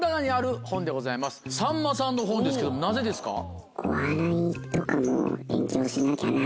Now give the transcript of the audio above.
さんまさんの本ですけどもなぜですか？と思ったので。